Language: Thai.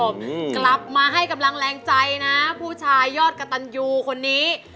กลับมาให้กำลังแรงใจนะผู้ชายยอดกระตันยูคนนี้